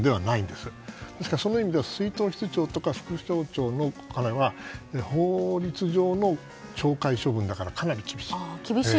ですからその意味では出納室長や副町長のカットは法律上の懲戒処分だからかなり厳しい。